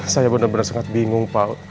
saya benar benar sangat bingung pak